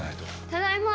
ただいま！